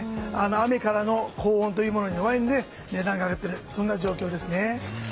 雨からの高温に弱いので値段が上がっている状況ですね。